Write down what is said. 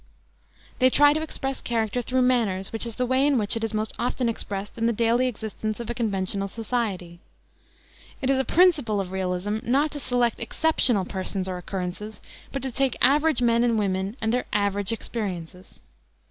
They try to express character through manners, which is the way in which it is most often expressed in the daily existence of a conventional society. It is a principle of realism not to select exceptional persons or occurrences, but to take average men and women and their average experiences.